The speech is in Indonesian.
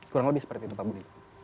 kurang lebih seperti itu pak budi